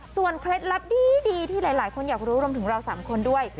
เคล็ดลับดีที่หลายคนอยากรู้รวมถึงเรา๓คนด้วย